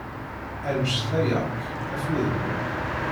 Annect-a yark, af udem-im!